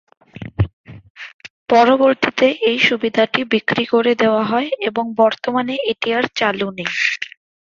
পরবর্তীতে এই সুবিধাটি বিক্রি করে দেওয়া হয় এবং বর্তমানে এটি আর চালু নেই।